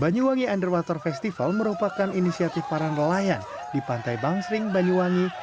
banyuwangi underwater festival merupakan inisiatif para nelayan di pantai bangsering banyuwangi